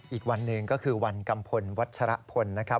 อีกวันหนึ่งก็คือวันกัมพลวัชรพลนะครับ